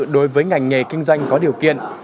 đối với ngành nghề kinh doanh có điều kiện